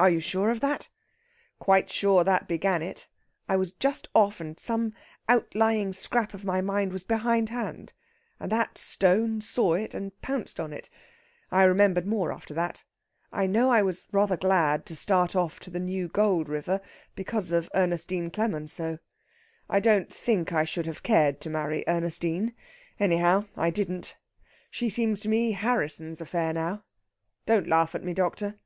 "Are you sure of that?" "Quite sure that began it. I was just off, and some outlying scrap of my mind was behindhand, and that stone saw it and pounced on it. I remembered more after that. I know I was rather glad to start off to the new gold river, because of Ernestine Clemenceau. I don't think I should have cared to marry Ernestine. Anyhow, I didn't. She seems to me Harrisson's affair now. Don't laugh at me, doctor!"